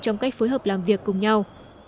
trong cách phối hợp làm việc cùng nhau